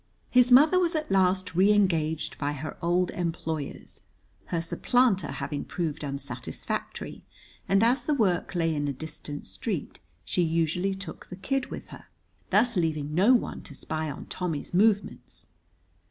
His mother was at last re engaged by her old employers, her supplanter having proved unsatisfactory, and as the work lay in a distant street, she usually took the kid with her, thus leaving no one to spy on Tammy's movements.